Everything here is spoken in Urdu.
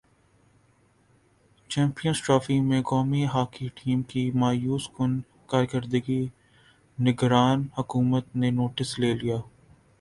چیمپینز ٹرافی میں قومی ہاکی ٹیم کی مایوس کن کارکردگی نگران حکومت نے نوٹس لے لیا